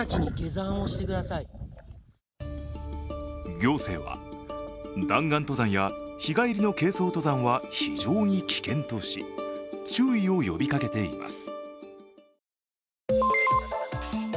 行政は弾丸登山や日帰りの軽装登山は非常に危険とし注意を呼びかけています。